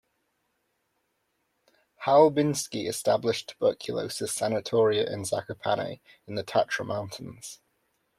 Chałubiński established tuberculosis sanatoria in Zakopane, in the Tatra Mountains.